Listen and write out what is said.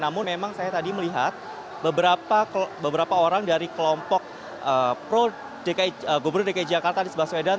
namun memang saya tadi melihat beberapa orang dari kelompok pro gubernur dki jakarta anies baswedan